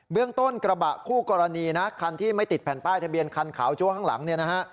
เรื่องต้นกระบะคู่กรณีนะคันที่ไม่ติดแผ่นป้ายทะเบียนคันขาวจั้วข้างหลังเนี่ยนะฮะ